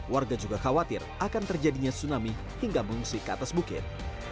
warga juga khawatir akan terjadinya tsunami hingga mengungsi ke atas bukit